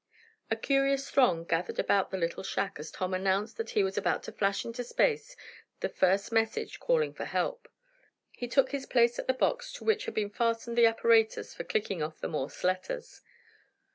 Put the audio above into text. A curious throng gathered about the little shack as Tom announced that he was about to flash into space the first message calling for help. He took his place at the box, to which had been fastened the apparatus for clicking off the Morse letters.